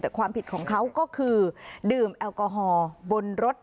แต่ความผิดของเขาก็คือดื่มแอลกอฮอล์บนรถ